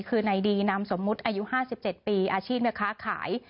คือในดีนามสมมุติอายุ๕๗ปีอาชีพแม่ค้าขาย